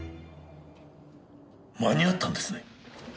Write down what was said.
間に合ったんですね？